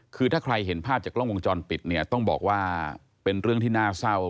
คือถ้าใครเห็นภาพจากกล้องวงจรปิดเนี่ยต้องบอกว่าเป็นเรื่องที่น่าเศร้า